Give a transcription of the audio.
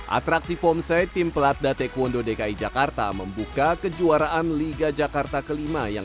atraksi pomset tim pelatda taekwondo dki jakarta membuka kejuaraan liga jakarta kelima yang